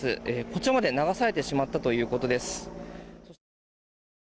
こちらまで流されてしまったということです。